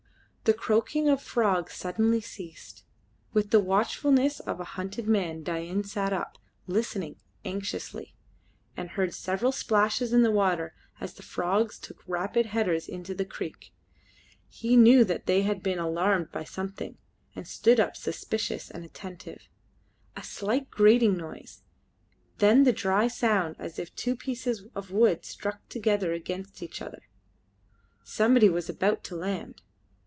The croaking of frogs suddenly ceased. With the watchfulness of a hunted man Dain sat up, listening anxiously, and heard several splashes in the water as the frogs took rapid headers into the creek. He knew that they had been alarmed by something, and stood up suspicious and attentive. A slight grating noise, then the dry sound as of two pieces of wood struck against each other. Somebody was about to land!